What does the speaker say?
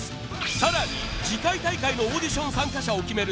さらに次回大会のオーディション参加者を決める